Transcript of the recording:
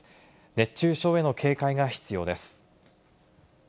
熱中症への警戒が必要です。